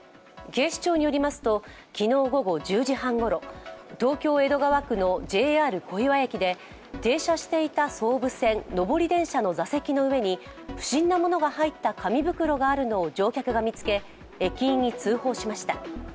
警視庁によりますと、昨日午後１０時半ごろ東京・江戸川区のＪＲ小岩駅で停車していた総武線上り電車の座席の上に不審なものが入った紙袋があるのを乗客が見つけ駅員に通報しました。